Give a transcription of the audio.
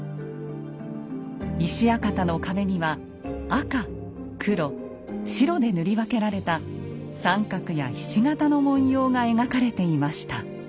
石屋形の壁には赤・黒・白で塗り分けられた三角やひし形の文様が描かれていました。